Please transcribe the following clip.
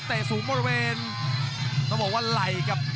ส่อขวาของซุปเปอร์เบียนั้นต้องบอกว่าอันตรายครับ